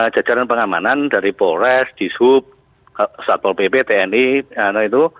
jajaran pengamanan dari polres dishub satpol pp tni